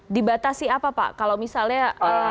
dibatasi apa pak kalau misalnya